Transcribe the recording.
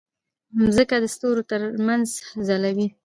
مځکه د ستورو ترمنځ ځلوي.